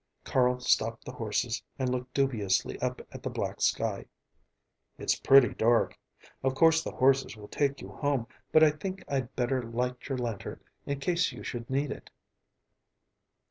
Carl stopped the horses and looked dubiously up at the black sky. "It's pretty dark. Of course the horses will take you home, but I think I'd better light your lantern, in case you should need it."